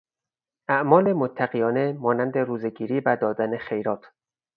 اعمال متقیانه مانند روزهگیری و دادن خیرات